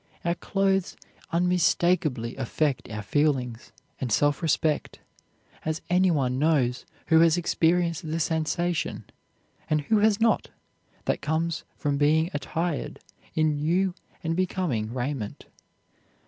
Our clothes unmistakably affect our feelings, and self respect, as anyone knows who has experienced the sensation and who has not? that comes from being attired in new and becoming raiment.